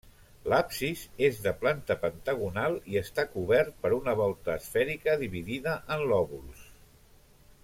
L’absis és de planta pentagonal i està cobert per una volta esfèrica dividida en lòbuls.